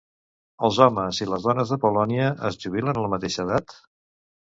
Els homes i les dones de Polònia, es jubilen a la mateixa edat?